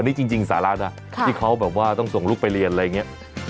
นี่จริงสาระนะที่เขาแบบว่าต้องส่งลูกไปเรียนอะไรอย่างนี้